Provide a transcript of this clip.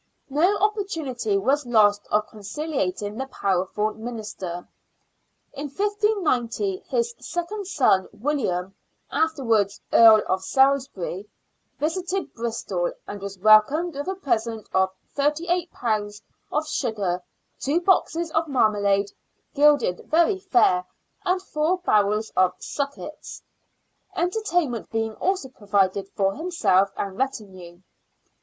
No opportunity was lost of concihating the powerful minister. In 1590 his second son, William — afterwards Earl of Salisbury — visited Bristol, and was welcomed with a present of " 38 lbs. of sugar, two boxes of marmalade, gilded very fair, and four barrels of sucketts," entertainment being also provided for himself and retinue.